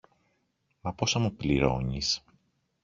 Μα πόσα μου πληρώνεις;